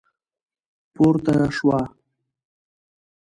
پورته شوه.